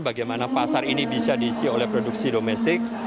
bagaimana pasar ini bisa diisi oleh produksi domestik